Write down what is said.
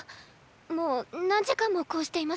もう何時間もこうしていますけど。